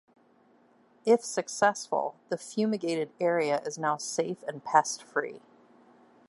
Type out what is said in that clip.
If successful, the fumigated area is now safe and pest free.